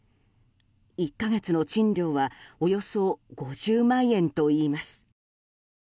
１か月の賃料はおよそ５０万円といいます。